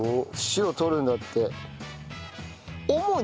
節を取るんだって。